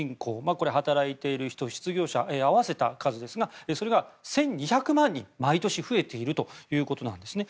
これは働いている人、失業者を合わせた数ですがそれが１２００万人毎年増えているということなんですね。